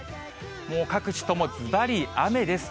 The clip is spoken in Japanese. もう各地ともずばり雨です。